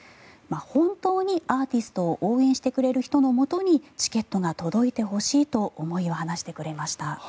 本当にアーティストを応援してくれる人のもとにチケットが届いてほしいと思いを話してくれました。